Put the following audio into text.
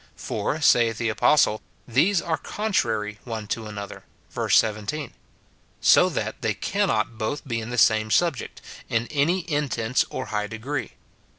For, saith the apostle, " These are contrary one to another," verse 17; so that they cannot both be in the same subject, in any intense or high degree.